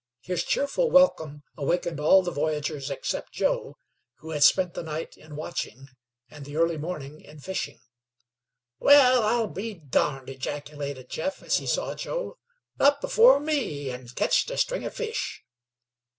His cheerful welcome awakened all the voyagers except Joe, who had spent the night in watching and the early morning in fishing. "Wal, I'll be darned," ejaculated Jeff as he saw Joe. "Up afore me, an' ketched a string of fish."